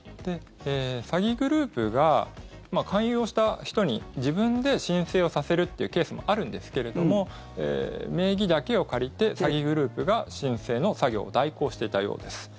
詐欺グループが勧誘をした人に自分で申請をさせるというケースもあるんですけれども名義だけを借りて詐欺グループが申請の作業を代行していたようです。